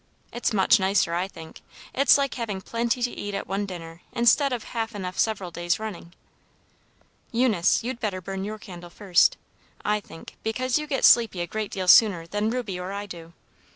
It's much nicer, I think. It's like having plenty to eat at one dinner, instead of half enough several days running. Eunice, you'd better burn your candle first, I think, because you get sleepy a great deal sooner than Reuby or I do.